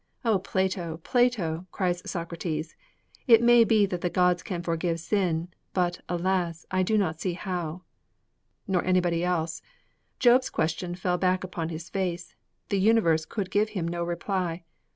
'O Plato, Plato!' cried Socrates, 'it may be that the gods can forgive sin, but, alas, I do not see how!' Nor anybody else. Job's question fell back upon his face; the universe could give him no reply.